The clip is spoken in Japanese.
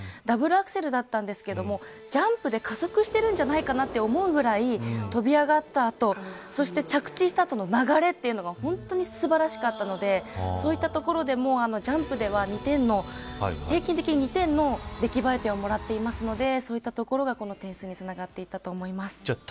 ダブルアクセルでしたがジャンプで加速しているんじゃないかと思うぐらい跳び上がった後そして、着地した後の流れも本当に素晴らしかったのでそういったところでもジャンプでは平均的に２点の出来栄え点をもらっていますのでそういったところがこの点数につながったと思います。